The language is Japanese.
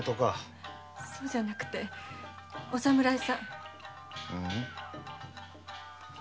そうじゃなくてお侍さん。